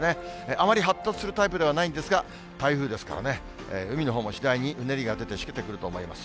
あまり発達するタイプではないんですが、台風ですからね、海のほうも次第にうねりが出てしけてくると思います。